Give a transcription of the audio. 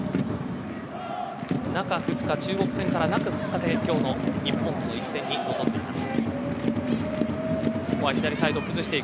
中２日、中国戦から、中２日で今日の日本との一戦に臨んでいます。